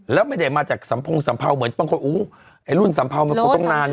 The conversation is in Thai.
แล้วไม่ได้มาจากสัมพงสัมเภาเหมือนบางคนอู้ไอ้รุ่นสัมเภามันคงต้องนาน